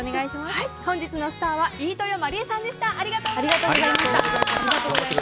本日のスターは飯豊まりえさんでした。